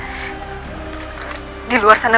banyak yang terjadi